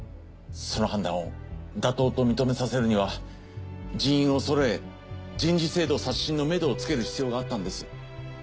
その判断を妥当と認めさせるには人員をそろえ人事制度刷新のめどをつける必要があったんです。